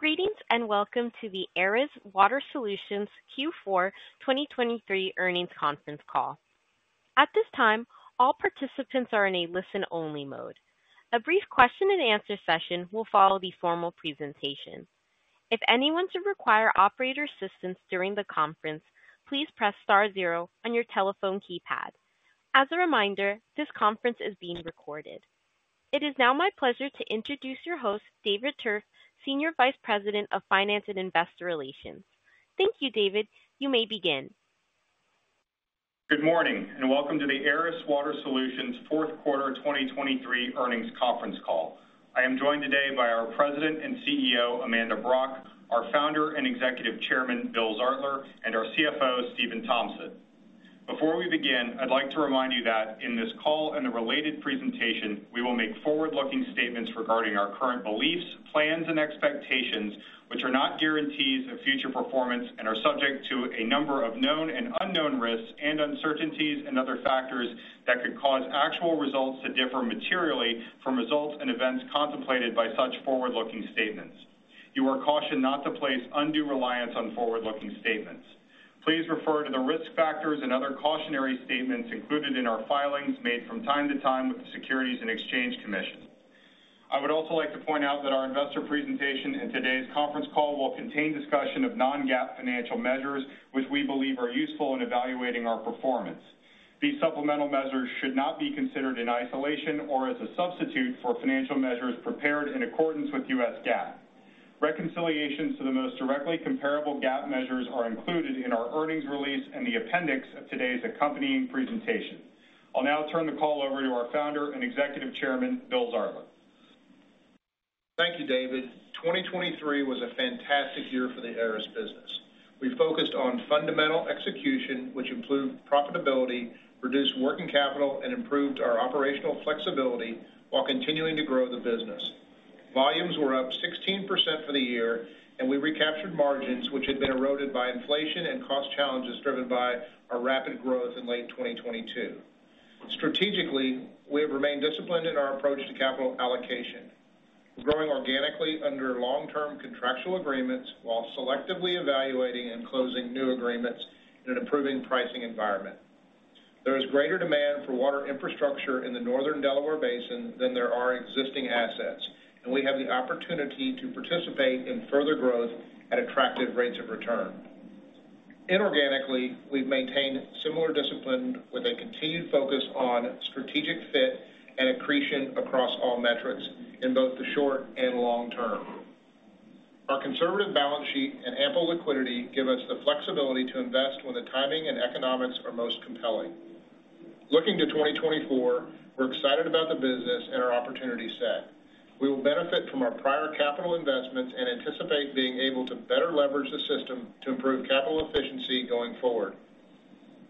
Greetings, and welcome to the Aris Water Solutions Q4 2023 Earnings Conference Call. At this time, all participants are in a listen-only mode. A brief question-and-answer session will follow the formal presentation. If anyone should require operator assistance during the conference, please press star zero on your telephone keypad. As a reminder, this conference is being recorded. It is now my pleasure to introduce your host, David Tuerff, Senior Vice President of Finance and Investor Relations. Thank you, David. You may begin. Good morning, and welcome to the Aris Water Solutions fourth quarter 2023 earnings conference call. I am joined today by our President and CEO, Amanda Brock, our Founder and Executive Chairman, Bill Zartler, and our CFO, Stephan Tompsett. Before we begin, I'd like to remind you that in this call and the related presentation, we will make forward-looking statements regarding our current beliefs, plans, and expectations, which are not guarantees of future performance and are subject to a number of known and unknown risks and uncertainties and other factors that could cause actual results to differ materially from results and events contemplated by such forward-looking statements. You are cautioned not to place undue reliance on forward-looking statements. Please refer to the risk factors and other cautionary statements included in our filings made from time to time with the Securities and Exchange Commission. I would also like to point out that our investor presentation in today's conference call will contain discussion of non-GAAP financial measures, which we believe are useful in evaluating our performance. These supplemental measures should not be considered in isolation or as a substitute for financial measures prepared in accordance with U.S. GAAP. Reconciliations to the most directly comparable GAAP measures are included in our earnings release and the appendix of today's accompanying presentation. I'll now turn the call over to our Founder and Executive Chairman, Bill Zartler. Thank you, David. 2023 was a fantastic year for the Aris business. We focused on fundamental execution, which improved profitability, reduced working capital, and improved our operational flexibility while continuing to grow the business. Volumes were up 16% for the year, and we recaptured margins, which had been eroded by inflation and cost challenges, driven by our rapid growth in late 2022. Strategically, we have remained disciplined in our approach to capital allocation. We're growing organically under long-term contractual agreements while selectively evaluating and closing new agreements in an improving pricing environment. There is greater demand for water infrastructure in the Northern Delaware Basin than there are existing assets, and we have the opportunity to participate in further growth at attractive rates of return. Inorganically, we've maintained similar discipline with a continued focus on strategic fit and accretion across all metrics in both the short and long term. Our conservative balance sheet and ample liquidity give us the flexibility to invest when the timing and economics are most compelling. Looking to 2024, we're excited about the business and our opportunity set. We will benefit from our prior capital investments and anticipate being able to better leverage the system to improve capital efficiency going forward.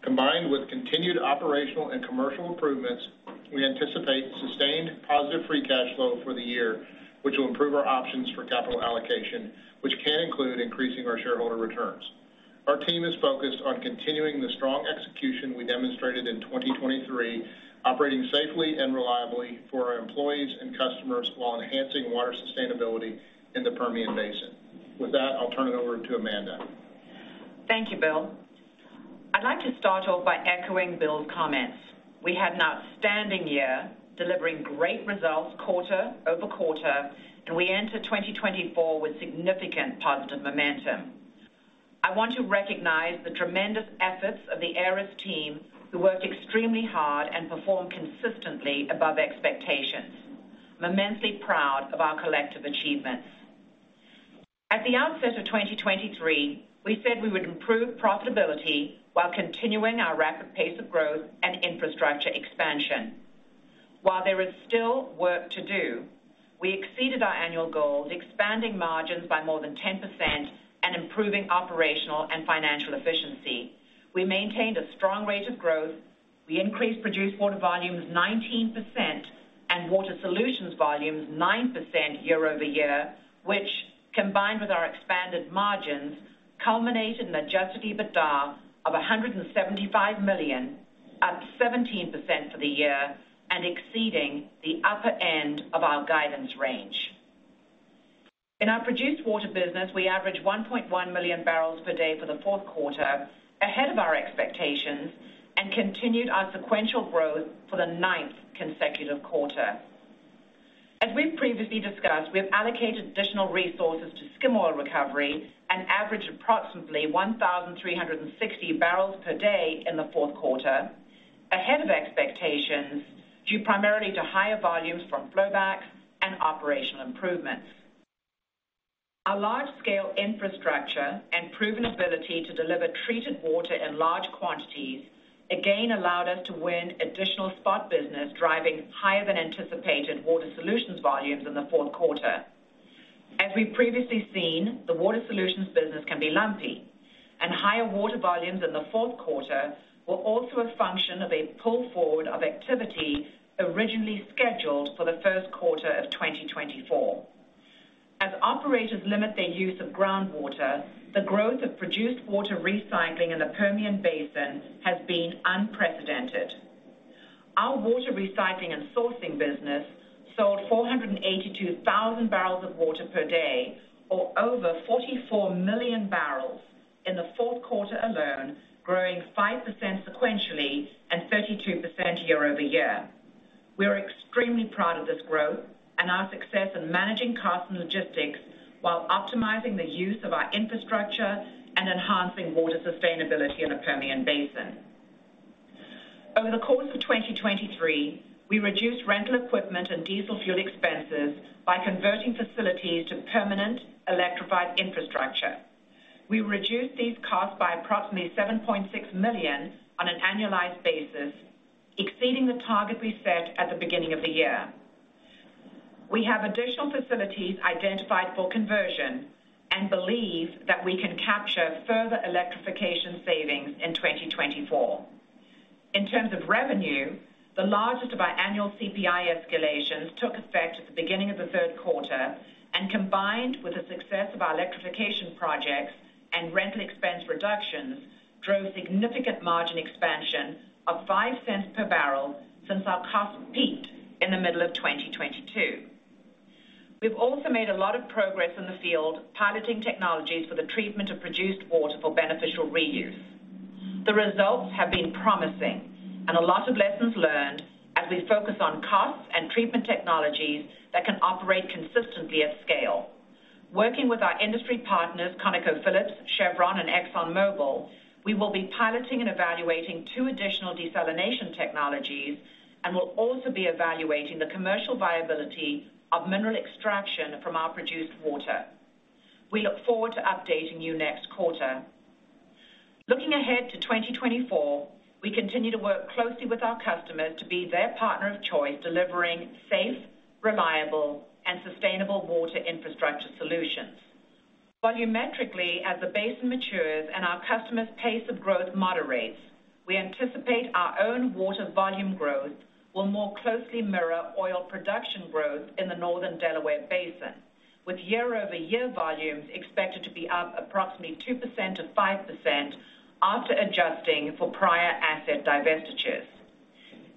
Combined with continued operational and commercial improvements, we anticipate sustained positive free cash flow for the year, which will improve our options for capital allocation, which can include increasing our shareholder returns. Our team is focused on continuing the strong execution we demonstrated in 2023, operating safely and reliably for our employees and customers while enhancing water sustainability in the Permian Basin. With that, I'll turn it over to Amanda. Thank you, Bill. I'd like to start off by echoing Bill's comments. We had an outstanding year, delivering great results quarter over quarter, and we enter 2024 with significant positive momentum. I want to recognize the tremendous efforts of the Aris team, who worked extremely hard and performed consistently above expectations. I'm immensely proud of our collective achievements. At the outset of 2023, we said we would improve profitability while continuing our rapid pace of growth and infrastructure expansion. While there is still work to do, we exceeded our annual goals, expanding margins by more than 10% and improving operational and financial efficiency. We maintained a strong rate of growth. We increased produced water volumes 19% and water solutions volumes 9% year-over-year, which, combined with our expanded margins, culminated in Adjusted EBITDA of $175 million, up 17% for the year and exceeding the upper end of our guidance range. In our produced water business, we averaged 1.1 million barrels per day for the fourth quarter, ahead of our expectations, and continued our sequential growth for the ninth consecutive quarter. As we've previously discussed, we have allocated additional resources to skim oil recovery and averaged approximately 1,360 barrels per day in the fourth quarter, ahead of expectations, due primarily to higher volumes from flowbacks and operational improvements. Our large-scale infrastructure and proven ability to deliver treated water in large quantities again allowed us to win additional spot business, driving higher than anticipated Water Solutions volumes in the fourth quarter. As we've previously seen, the Water Solutions business can be lumpy, and higher water volumes in the fourth quarter were also a function of a pull forward of activity originally scheduled for the first quarter of 2024. As operators limit their use of groundwater, the growth of produced water recycling in the Permian Basin has been unprecedented....Our water recycling and sourcing business sold 482,000 barrels of water per day, or over 44 million barrels in the fourth quarter alone, growing 5% sequentially and 32% year-over-year. We are extremely proud of this growth and our success in managing costs and logistics while optimizing the use of our infrastructure and enhancing water sustainability in the Permian Basin. Over the course of 2023, we reduced rental equipment and diesel fuel expenses by converting facilities to permanent electrified infrastructure. We reduced these costs by approximately $7.6 million on an annualized basis, exceeding the target we set at the beginning of the year. We have additional facilities identified for conversion and believe that we can capture further electrification savings in 2024. In terms of revenue, the largest of our annual CPI escalations took effect at the beginning of the third quarter, and combined with the success of our electrification projects and rental expense reductions, drove significant margin expansion of $0.05 per barrel since our costs peaked in the middle of 2022. We've also made a lot of progress in the field, piloting technologies for the treatment of produced water for beneficial reuse. The results have been promising, and a lot of lessons learned as we focus on costs and treatment technologies that can operate consistently at scale. Working with our industry partners, ConocoPhillips, Chevron and ExxonMobil, we will be piloting and evaluating two additional desalination technologies and will also be evaluating the commercial viability of mineral extraction from our produced water. We look forward to updating you next quarter. Looking ahead to 2024, we continue to work closely with our customers to be their partner of choice, delivering safe, reliable, and sustainable water infrastructure solutions. Volumetrically, as the basin matures and our customers' pace of growth moderates, we anticipate our own water volume growth will more closely mirror oil production growth in the Northern Delaware Basin, with year-over-year volumes expected to be up approximately 2%-5% after adjusting for prior asset divestitures.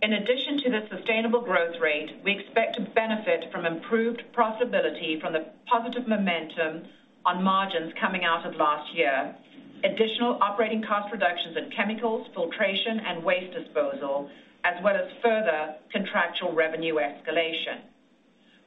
In addition to the sustainable growth rate, we expect to benefit from improved profitability from the positive momentum on margins coming out of last year, additional operating cost reductions in chemicals, filtration, and waste disposal, as well as further contractual revenue escalation.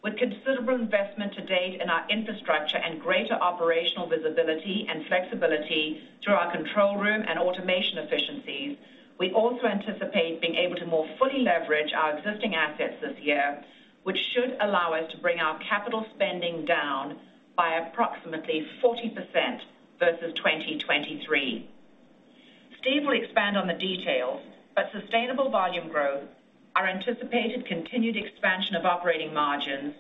With considerable investment to date in our infrastructure and greater operational visibility and flexibility through our control room and automation efficiencies, we also anticipate being able to more fully leverage our existing assets this year, which should allow us to bring our capital spending down by approximately 40% versus 2023. Steve will expand on the details, but sustainable volume growth, our anticipated continued expansion of operating margins,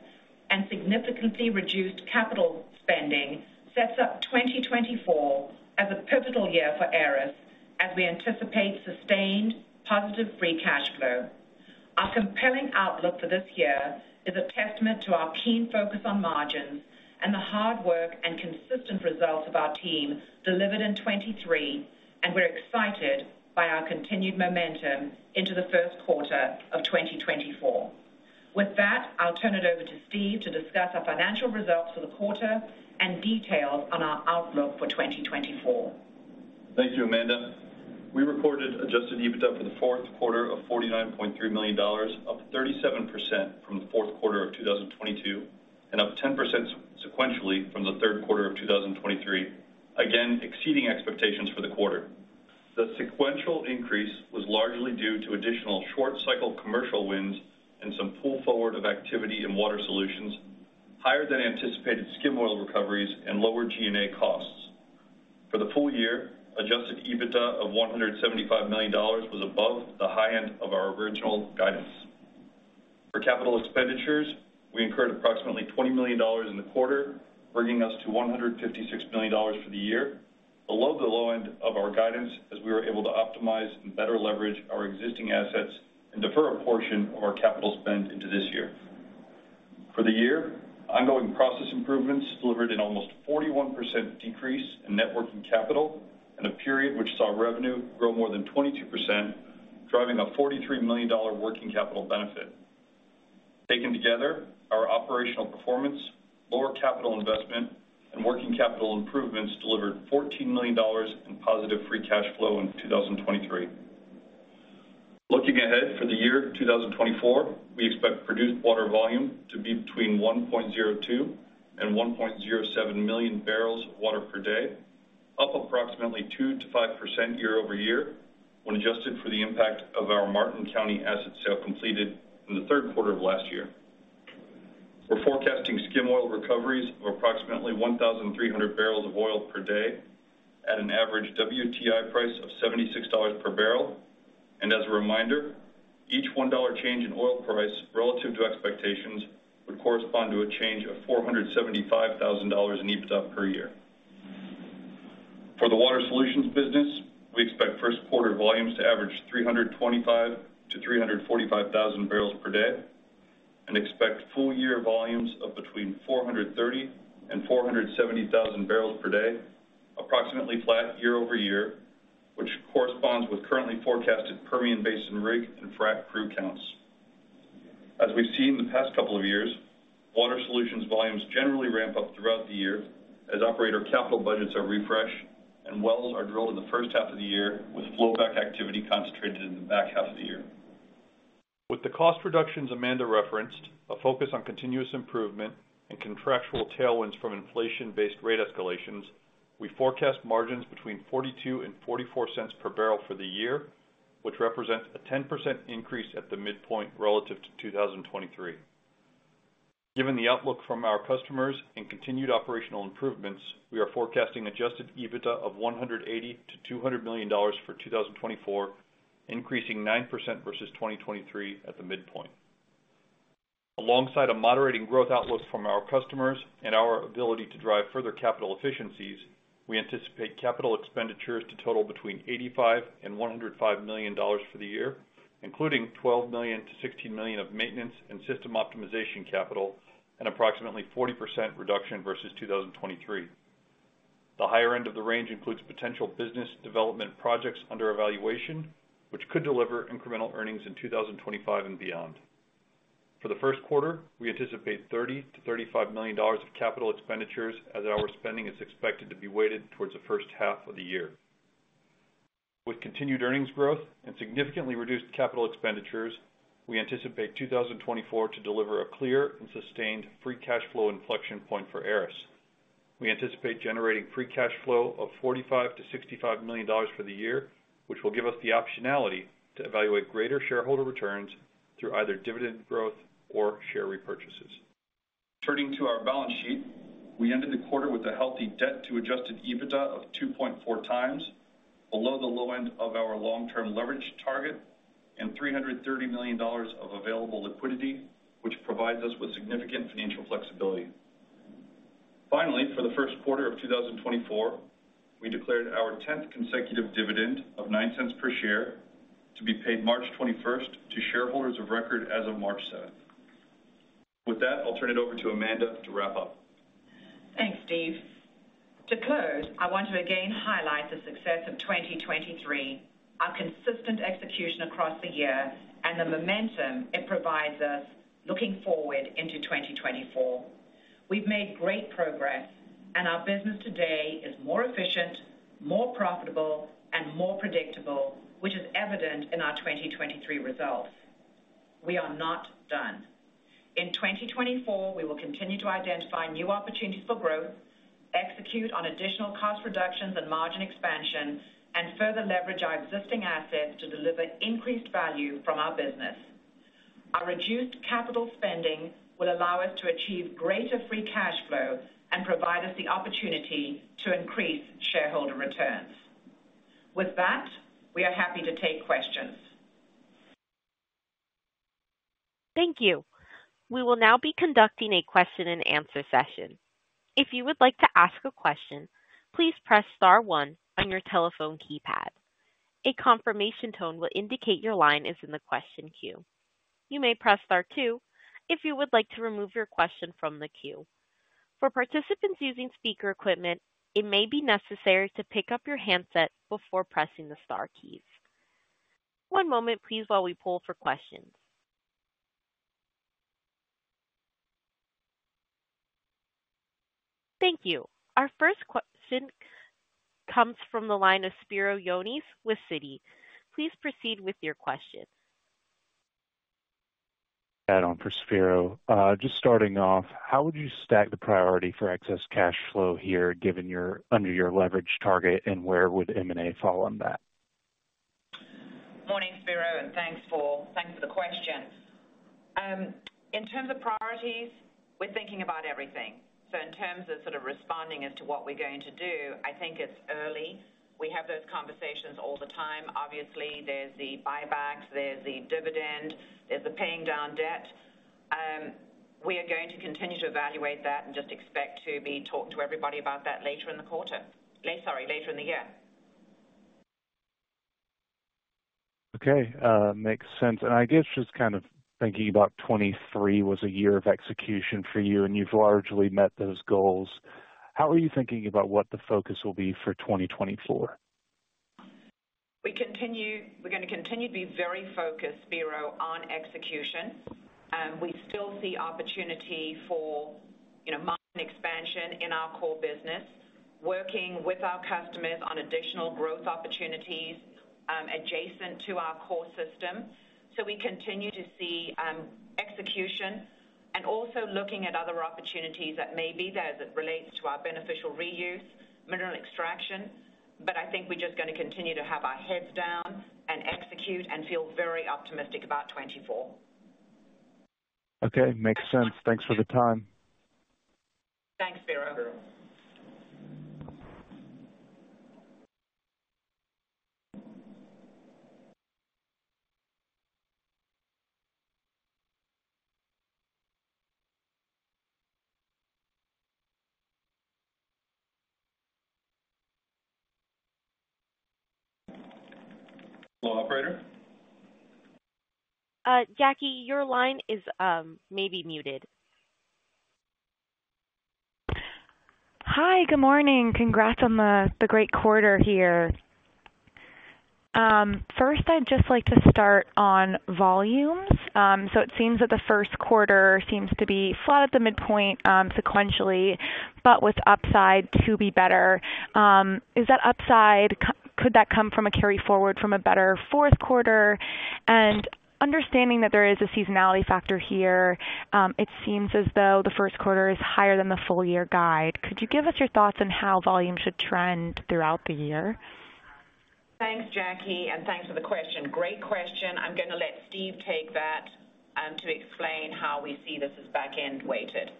and significantly reduced capital spending sets up 2024 as a pivotal year for Aris, as we anticipate sustained positive free cash flow. Our compelling outlook for this year is a testament to our keen focus on margins and the hard work and consistent results of our team delivered in 2023, and we're excited by our continued momentum into the first quarter of 2024. With that, I'll turn it over to Steve to discuss our financial results for the quarter and details on our outlook for 2024. Thank you, Amanda. We reported Adjusted EBITDA for the fourth quarter of $49.3 million, up 37% from the fourth quarter of 2022, and up 10% sequentially from the third quarter of 2023, again, exceeding expectations for the quarter. The sequential increase was largely due to additional short cycle commercial wins and some pull forward of activity in Water Solutions, higher than anticipated skim oil recoveries, and lower G&A costs. For the full year, Adjusted EBITDA of $175 million was above the high end of our original guidance. For capital expenditures, we incurred approximately $20 million in the quarter, bringing us to $156 million for the year, below the low end of our guidance, as we were able to optimize and better leverage our existing assets and defer a portion of our capital spend into this year. For the year, ongoing process improvements delivered an almost 41% decrease in net working capital in a period which saw revenue grow more than 22%, driving a $43 million working capital benefit. Taken together, our operational performance, lower capital investment, and working capital improvements delivered $14 million in positive free cash flow in 2023. Looking ahead for the year 2024, we expect produced water volume to be between 1.02 and 1.07 million barrels of water per day, up approximately 2%-5% year-over-year, when adjusted for the impact of our Martin County asset sale completed in the third quarter of last year. We're forecasting skim oil recoveries of approximately 1,300 barrels of oil per day at an average WTI price of $76 per barrel. And as a reminder, each $1 change in oil price relative to expectations would correspond to a change of $475,000 in EBITDA per year. For the Water Solutions business, we expect first quarter volumes to average 325,000-345,000 barrels per day.... expect full-year volumes of between 430,000-470,000 barrels per day, approximately flat year-over-year, which corresponds with currently forecasted Permian Basin rig and frac crew counts. As we've seen in the past couple of years, Water Solutions volumes generally ramp up throughout the year as operator capital budgets are refreshed and wells are drilled in the first half of the year, with flowback activity concentrated in the back half of the year. With the cost reductions Amanda referenced, a focus on continuous improvement and contractual tailwinds from inflation-based rate escalations, we forecast margins between $0.42-$0.44 per barrel for the year, which represents a 10% increase at the midpoint relative to 2023. Given the outlook from our customers and continued operational improvements, we are forecasting Adjusted EBITDA of $180 million-$200 million for 2024, increasing 9% versus 2023 at the midpoint. Alongside a moderating growth outlook from our customers and our ability to drive further capital efficiencies, we anticipate capital expenditures to total between $85 million and $105 million for the year, including $12 million-$16 million of maintenance and system optimization capital, an approximately 40% reduction versus 2023. The higher end of the range includes potential business development projects under evaluation, which could deliver incremental earnings in 2025 and beyond. For the first quarter, we anticipate $30 million-$35 million of capital expenditures, as our spending is expected to be weighted towards the first half of the year. With continued earnings growth and significantly reduced capital expenditures, we anticipate 2024 to deliver a clear and sustained free cash flow inflection point for Aris. We anticipate generating free cash flow of $45 million-$65 million for the year, which will give us the optionality to evaluate greater shareholder returns through either dividend growth or share repurchases. Turning to our balance sheet, we ended the quarter with a healthy debt-to-Adjusted EBITDA of 2.4 times, below the low end of our long-term leverage target, and $330 million of available liquidity, which provides us with significant financial flexibility. Finally, for the first quarter of 2024, we declared our 10th consecutive dividend of $0.09 per share to be paid March twenty-first to shareholders of record as of March seventh. With that, I'll turn it over to Amanda to wrap up. Thanks, Steve. To close, I want to again highlight the success of 2023, our consistent execution across the year, and the momentum it provides us looking forward into 2024. We've made great progress and our business today is more efficient, more profitable, and more predictable, which is evident in our 2023 results. We are not done. In 2024, we will continue to identify new opportunities for growth, execute on additional cost reductions and margin expansion, and further leverage our existing assets to deliver increased value from our business. Our reduced capital spending will allow us to achieve greater free cash flow and provide us the opportunity to increase shareholder returns. With that, we are happy to take questions. Thank you. We will now be conducting a question-and-answer session. If you would like to ask a question, please press star one on your telephone keypad. A confirmation tone will indicate your line is in the question queue. You may press star two if you would like to remove your question from the queue. For participants using speaker equipment, it may be necessary to pick up your handset before pressing the star keys. One moment, please, while we pull for questions. Thank you. Our first question comes from the line of Spiro Dounis with Citi. Please proceed with your question. Ed on for Spiro. Just starting off, how would you stack the priority for excess cash flow here, given you're under your leverage target, and where would M&A fall on that? Morning, Spiro, and thanks for the question. In terms of priorities, we're thinking about everything. So in terms of sort of responding as to what we're going to do, I think it's early. We have those conversations all the time. Obviously, there's the buybacks, there's the dividend, there's the paying down debt. We are going to continue to evaluate that and just expect to be talking to everybody about that later in the quarter. Sorry, later in the year. Okay, makes sense. And I guess just kind of thinking about 2023 was a year of execution for you, and you've largely met those goals. How are you thinking about what the focus will be for 2024? We continue, we're going to continue to be very focused, Spiro, on execution. We still see opportunity for, you know, margin expansion in our core business, working with our customers on additional growth opportunities, adjacent to our core system. So we continue to see execution and also looking at other opportunities that may be there as it relates to our beneficial reuse, mineral extraction. But I think we're just going to continue to have our heads down and execute and feel very optimistic about 2024. Okay, makes sense. Thanks for the time. Thanks, Spiro.... Hello, operator? Jackie, your line may be muted. Hi, good morning. Congrats on the great quarter here. First, I'd just like to start on volumes. So it seems that the first quarter seems to be flat at the midpoint, sequentially, but with upside to be better. Is that upside, could that come from a carry forward from a better fourth quarter? And understanding that there is a seasonality factor here, it seems as though the first quarter is higher than the full year guide. Could you give us your thoughts on how volume should trend throughout the year? Thanks, Jackie, and thanks for the question. Great question. I'm gonna let Steve take that, to explain how we see this as back-end weighted.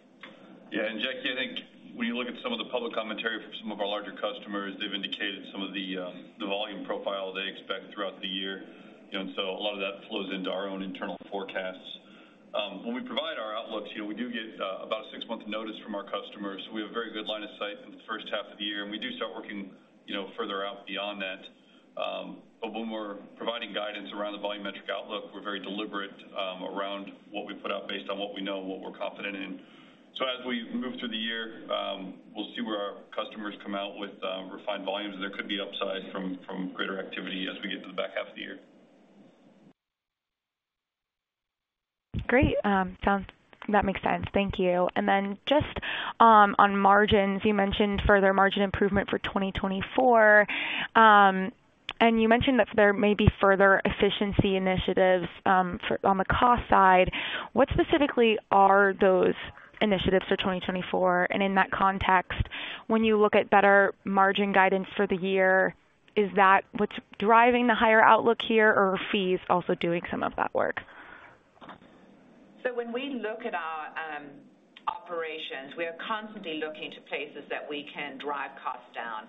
Yeah, and Jackie, I think when you look at some of the public commentary from some of our larger customers, they've indicated some of the volume profile they expect throughout the year. You know, and so a lot of that flows into our own internal forecasts. When we provide our outlooks, you know, we do get about a six-month notice from our customers. We have a very good line of sight in the first half of the year, and we do start working, you know, further out beyond that. But when we're providing guidance around the volume metric outlook, we're very deliberate around what we put out based on what we know and what we're confident in. So as we move through the year, we'll see where our customers come out with refined volumes. There could be upsides from greater activity as we get to the back half of the year. Great. Sounds. That makes sense. Thank you. And then just, on margins, you mentioned further margin improvement for 2024. And you mentioned that there may be further efficiency initiatives, on the cost side. What specifically are those initiatives for 2024? And in that context, when you look at better margin guidance for the year, is that what's driving the higher outlook here, or are fees also doing some of that work? So when we look at our operations, we are constantly looking to places that we can drive costs down.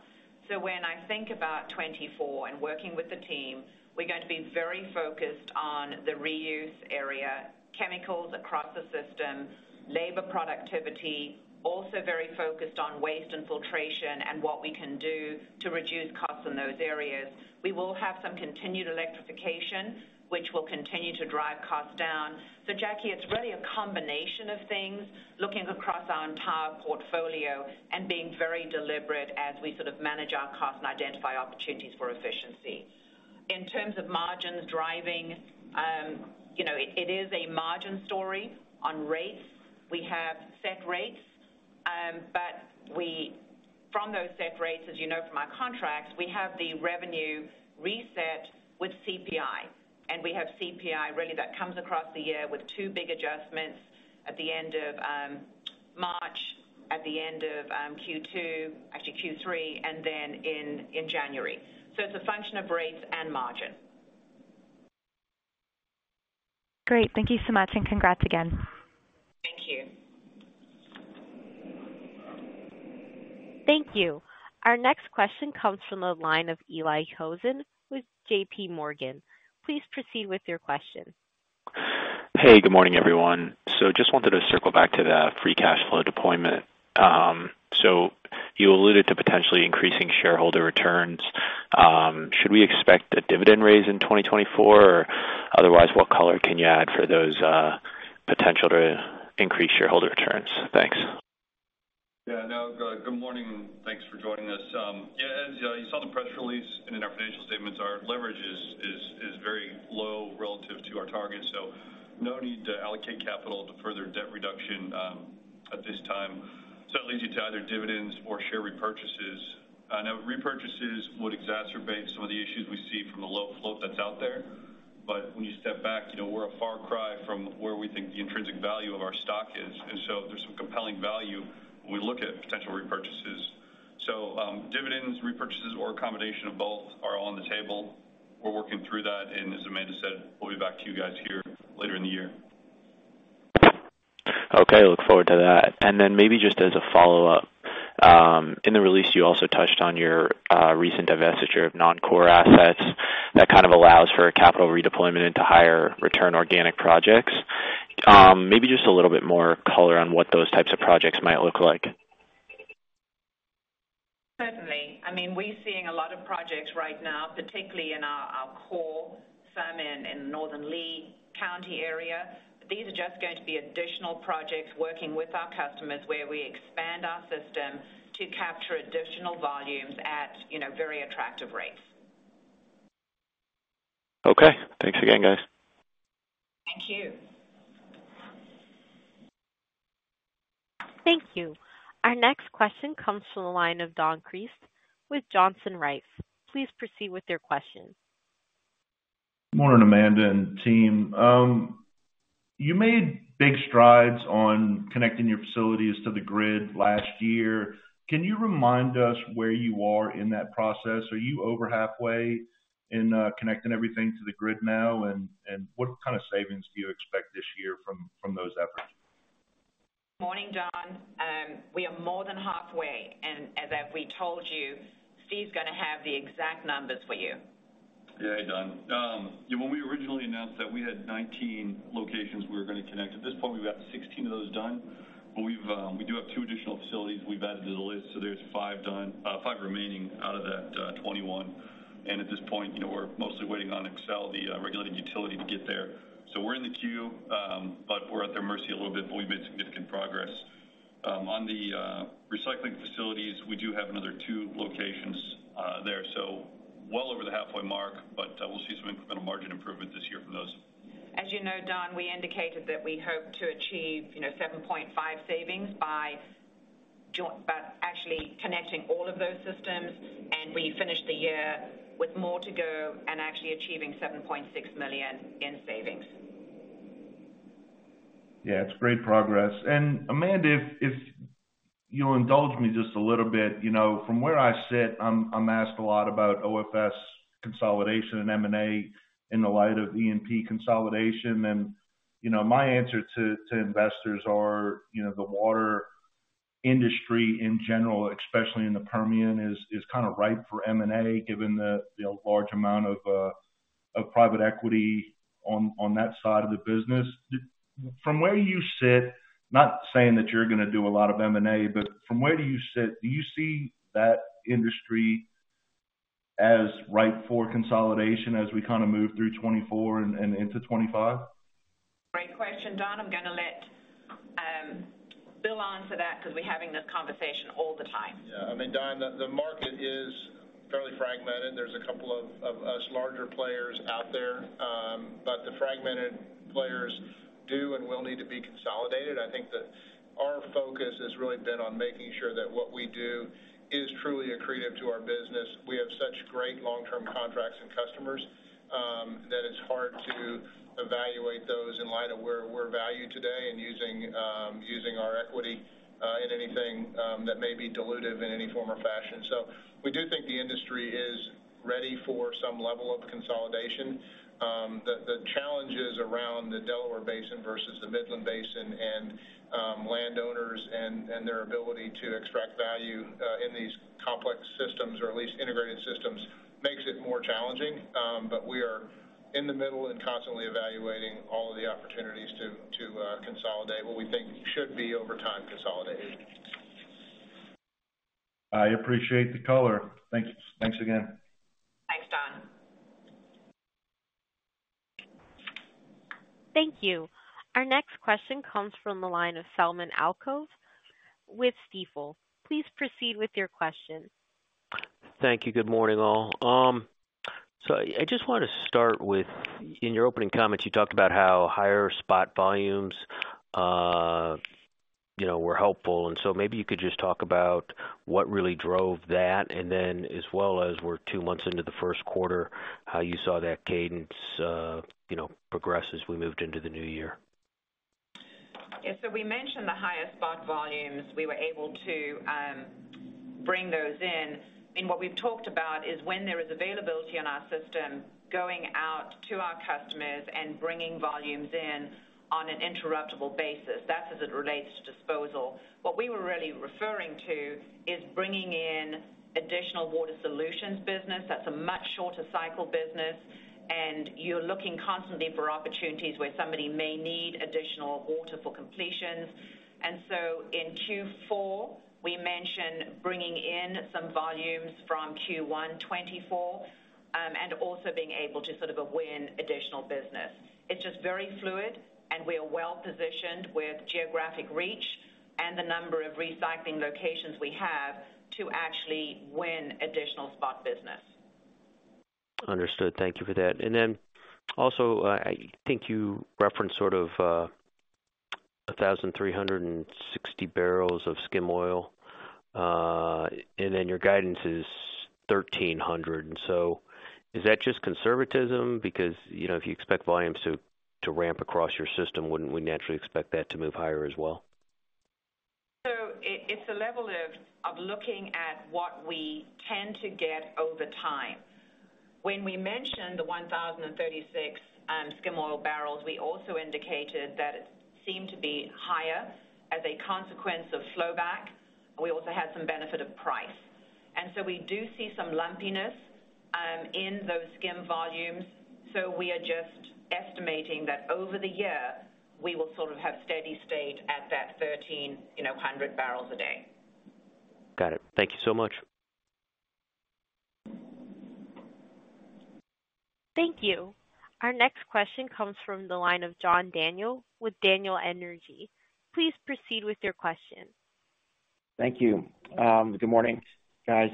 So when I think about 2024 and working with the team, we're going to be very focused on the reuse area, chemicals across the system, labor productivity, also very focused on waste and filtration and what we can do to reduce costs in those areas. We will have some continued electrification, which will continue to drive costs down. So, Jackie, it's really a combination of things, looking across our entire portfolio and being very deliberate as we sort of manage our costs and identify opportunities for efficiency. In terms of margins driving, you know, it, it is a margin story on rates. We have set rates, but from those set rates, as you know from our contracts, we have the revenue reset with CPI, and we have CPI, really, that comes across the year with two big adjustments at the end of March, at the end of Q2, actually Q3, and then in January. So it's a function of rates and margin. Great. Thank you so much, and congrats again. Thank you. Thank you. Our next question comes from the line of Eli Jossen with JP Morgan. Please proceed with your question. Hey, good morning, everyone. So just wanted to circle back to the free cash flow deployment. You alluded to potentially increasing shareholder returns. Should we expect a dividend raise in 2024? Or otherwise, what color can you add for those potential to increase shareholder returns? Thanks. Yeah, no, good morning, and thanks for joining us. Yeah, as you saw in the press release and in our financial statements, our leverage is very low relative to our target, so no need to allocate capital to further debt reduction at this time. So that leads you to either dividends or share repurchases. I know repurchases would exacerbate some of the issues we see from the low float that's out there, but when you step back, you know, we're a far cry from where we think the intrinsic value of our stock is. And so there's some compelling value when we look at potential repurchases. So, dividends, repurchases, or a combination of both are on the table. We're working through that, and as Amanda said, we'll be back to you guys here later in the year. Okay, look forward to that. And then maybe just as a follow-up, in the release, you also touched on your recent divestiture of non-core assets that kind of allows for a capital redeployment into higher return organic projects. Maybe just a little bit more color on what those types of projects might look like. Certainly. I mean, we're seeing a lot of projects right now, particularly in our core, some in Northern Lee County area. These are just going to be additional projects working with our customers, where we expand our system to capture additional volumes at, you know, very attractive rates. Okay, thanks again, guys. Thank you. Thank you. Our next question comes from the line of Don Crist with Johnson Rice. Please proceed with your question. Morning, Amanda and team. You made big strides on connecting your facilities to the grid last year. Can you remind us where you are in that process? Are you over halfway in connecting everything to the grid now? And what kind of savings do you expect this year from those efforts? Morning, Don. We are more than halfway, and we told you, Steve's gonna have the exact numbers for you. Yeah, Don, we had 19 locations we were going to connect. At this point, we've got 16 of those done, but we've, we do have two additional facilities we've added to the list, so there's five done- five remaining out of that, 21. And at this point, you know, we're mostly waiting on Xcel, the, regulated utility, to get there. So we're in the queue, but we're at their mercy a little bit, but we've made significant progress. On the, recycling facilities, we do have another 2 locations, there, so well over the halfway mark, but, we'll see some incremental margin improvement this year from those. As you know, Don, we indicated that we hope to achieve, you know, $7.5 million savings by actually connecting all of those systems, and we finished the year with more to go and actually achieving $7.6 million in savings. Yeah, it's great progress. And, Amanda, if you'll indulge me just a little bit, you know, from where I sit, I'm asked a lot about OFS consolidation and M&A in the light of E&P consolidation. And, you know, my answer to investors are, you know, the water industry in general, especially in the Permian, is kind of ripe for M&A, given the large amount of private equity on that side of the business. From where you sit, not saying that you're gonna do a lot of M&A, but from where do you sit, do you see that industry as ripe for consolidation as we kind of move through 2024 and into 2025? Great question, Don. I'm gonna let Bill answer that because we're having this conversation all the time. Yeah. I mean, Don, the market is fairly fragmented. There's a couple of us larger players out there, but the fragmented players do and will need to be consolidated. I think that our focus has really been on making sure that what we do is truly accretive to our business. We have such great long-term contracts and customers, that it's hard to evaluate those in light of where we're valued today and using our equity in anything that may be dilutive in any form or fashion. So we do think the industry is ready for some level of consolidation. The challenges around the Delaware Basin versus the Midland Basin and landowners and their ability to extract value in these complex systems, or at least integrated systems, makes it more challenging. But we are in the middle and constantly evaluating all of the opportunities to consolidate what we think should be over time consolidated. I appreciate the color. Thank you. Thanks again. Thanks, Don. Thank you. Our next question comes from the line of Selman Akyol with Stifel. Please proceed with your question. Thank you. Good morning, all. So I just wanted to start with, in your opening comments, you talked about how higher spot volumes, you know, were helpful, and so maybe you could just talk about what really drove that, and then as well as we're two months into the first quarter, how you saw that cadence, you know, progress as we moved into the new year. Yeah, so we mentioned the higher spot volumes. We were able to bring those in, and what we've talked about is when there is availability on our system, going out to our customers and bringing volumes in on an interruptible basis. That's as it relates to disposal. What we were really referring to is bringing in additional water solutions business. That's a much shorter cycle business, and you're looking constantly for opportunities where somebody may need additional water for completions. And so in Q4, we mentioned bringing in some volumes from Q1 2024, and also being able to sort of win additional business. It's just very fluid, and we are well positioned with geographic reach and the number of recycling locations we have to actually win additional spot business. Understood. Thank you for that. And then also, I think you referenced sort of a 1,360 barrels of skim oil, and then your guidance is 1,300. And so is that just conservatism? Because, you know, if you expect volumes to ramp across your system, wouldn't we naturally expect that to move higher as well? It's a level of looking at what we tend to get over time. When we mentioned the 1,036 skim oil barrels, we also indicated that it seemed to be higher as a consequence of flowback. We also had some benefit of price, and so we do see some lumpiness in those skim volumes. So we are just estimating that over the year, we will sort of have steady state at that 1,300, you know, barrels a day. Got it. Thank you so much. Thank you. Our next question comes from the line of John Daniel with Daniel Energy. Please proceed with your question. Thank you. Good morning, guys.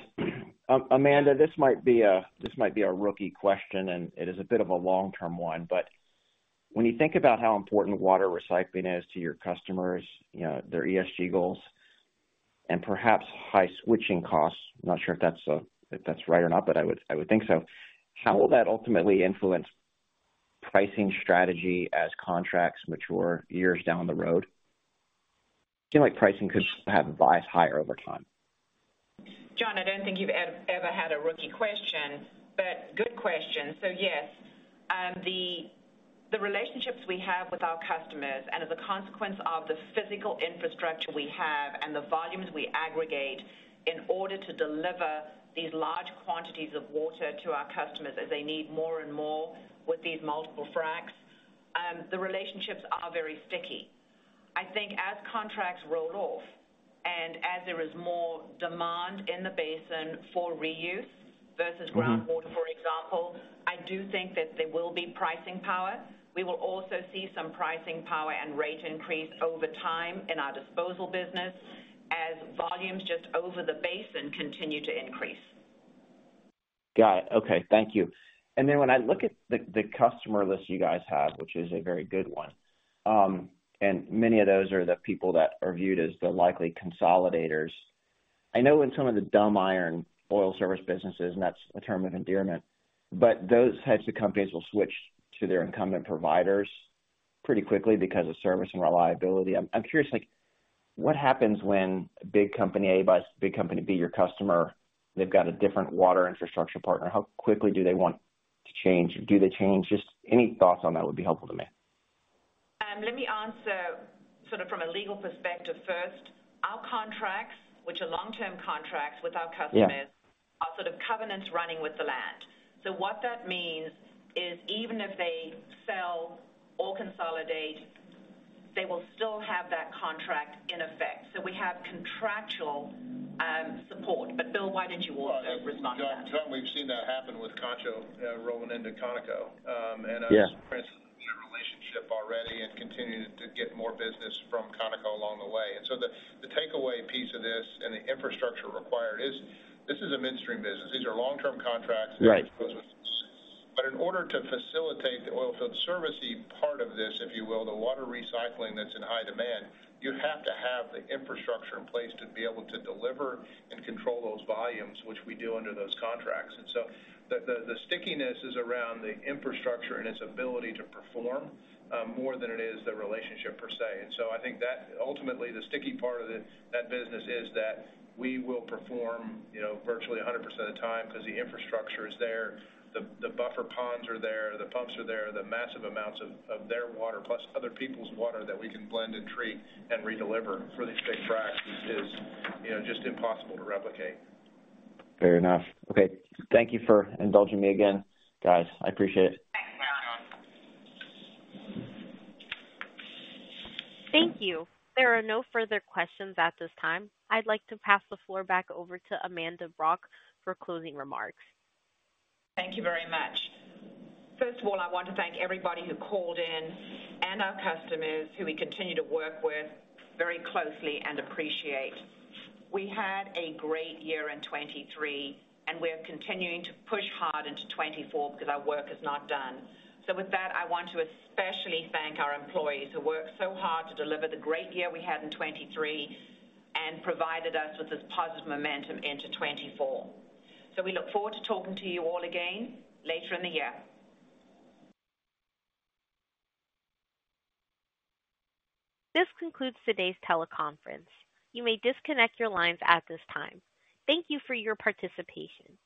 Amanda, this might be a, this might be a rookie question, and it is a bit of a long-term one, but when you think about how important water recycling is to your customers, you know, their ESG goals, and perhaps high switching costs, I'm not sure if that's, if that's right or not, but I would, I would think so. How will that ultimately influence pricing strategy as contracts mature years down the road? Feel like pricing could have a bias higher over time. John, I don't think you've ever had a rookie question, but good question. So yes, the relationships we have with our customers, and as a consequence of the physical infrastructure we have and the volumes we aggregate in order to deliver these large quantities of water to our customers as they need more and more with these multiple fracs, the relationships are very sticky. I think as contracts roll off and as there is more demand in the basin for reuse versus- Mm-hmm. groundwater, for example, I do think that there will be pricing power. We will also see some pricing power and rate increase over time in our disposal business as volumes just over the basin continue to increase. Got it. Okay, thank you. And then when I look at the customer list you guys have, which is a very good one, and many of those are the people that are viewed as the likely consolidators. I know in some of the dumb iron oil service businesses, and that's a term of endearment, but those types of companies will switch to their incumbent providers pretty quickly because of service and reliability. I'm curious, like, what happens when big company A buys big company B, your customer, they've got a different water infrastructure partner? How quickly do they want to change? Do they change? Just any thoughts on that would be helpful to me. Let me answer sort of from a legal perspective first. Our contracts, which are long-term contracts with our customers- Yeah - are sort of covenants running with the land. So what that means is, even if they sell or consolidate, they will still have that contract in effect. So we have contractual support. But Bill, why don't you also respond to that? John, we've seen that happen with Concho, rolling into Conoco. Yeah The relationship already and continuing to get more business from Conoco along the way. And so the takeaway piece of this and the infrastructure required is, this is a midstream business. These are long-term contracts. Right. But in order to facilitate the oilfield servicing part of this, if you will, the water recycling, that's in high demand, you have to have the infrastructure in place to be able to deliver and control those volumes, which we do under those contracts. And so the stickiness is around the infrastructure and its ability to perform, more than it is the relationship per se. And so I think that ultimately the sticky part of that business is that we will perform, you know, virtually 100% of the time because the infrastructure is there, the buffer ponds are there, the pumps are there, the massive amounts of their water, plus other people's water that we can blend and treat and redeliver for these big fracs is, you know, just impossible to replicate. Fair enough. Okay. Thank you for indulging me again, guys. I appreciate it. Thanks. You're welcome. Thank you. There are no further questions at this time. I'd like to pass the floor back over to Amanda Brock for closing remarks. Thank you very much. First of all, I want to thank everybody who called in and our customers who we continue to work with very closely and appreciate. We had a great year in 2023, and we're continuing to push hard into 2024 because our work is not done. So with that, I want to especially thank our employees who worked so hard to deliver the great year we had in 2023 and provided us with this positive momentum into 2024. So we look forward to talking to you all again later in the year. This concludes today's teleconference. You may disconnect your lines at this time. Thank you for your participation.